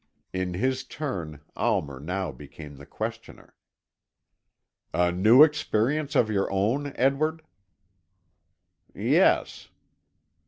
In his turn Almer now became the questioner. "A new experience of your own, Edward?" "Yes."